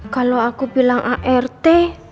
kalau aku bilang art